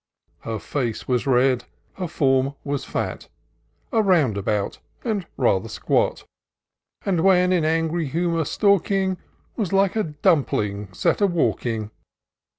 Her face was red, her form was fat, A round about, and rather squat ; And when in angry humour stalking, Was like a dumpling set a walking.